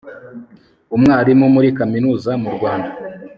umwarimu muri kaminuza mu rwanda